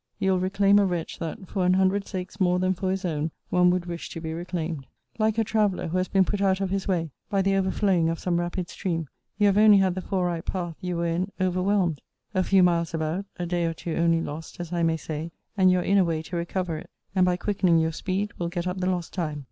You will reclaim a wretch that, for an hundred sakes more than for his own, one would wish to be reclaimed. Like a traveller, who has been put out of his way, by the overflowing of some rapid stream, you have only had the fore right path you were in overwhelmed. A few miles about, a day or two only lost, as I may say, and you are in a way to recover it; and, by quickening your speed, will get up the lost time.